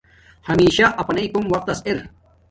ہمشہ اپانݵ کوم وقت تس ار